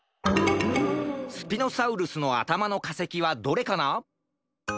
スピノサウルスのあたまのかせきはどれかな？